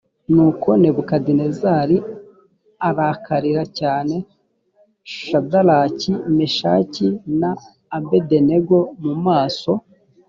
nuko nebukadinezari arakarira cyane shadaraki meshaki na abedenego mu maso